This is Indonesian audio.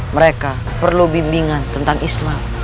mereka perlu bimbingan tentang isma